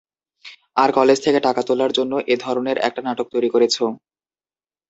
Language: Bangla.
আর কলেজ থেকে টাকা তোলার জন্য এ ধরনের একটা নাটক তৈরি করেছো।